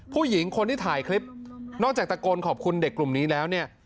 ผู้หญิงคนที่ถ่ายคลิปนอกจากตะโกนขอบคุณเด็กกลุ่มนี้แล้วเนี่ย